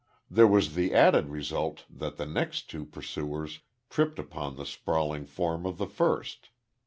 There was the added result that the next two pursuers tripped upon the sprawling form of the first.